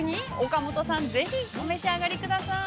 岡本さん、ぜひお召し上がりください。